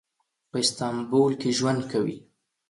په استانبول کې ژوند کوي.